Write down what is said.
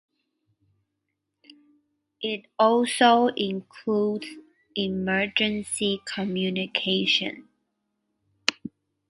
It also includes emergency communications.